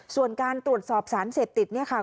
ส่วนการตรวจสอบสารเสพติดเนี่ยค่ะ